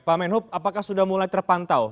pak menhub apakah sudah mulai terpantau